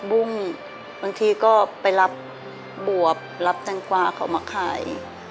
บางทีก็ไปรับบวกรับแต่งกวาเค้ามาขาย